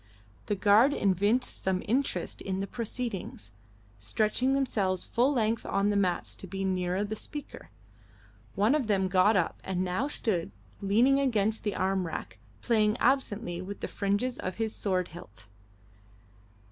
The guard evinced some interest in the proceedings, stretching themselves full length on the mats to be nearer the speaker. One of them got up and now stood leaning against the arm rack, playing absently with the fringes of his sword hilt.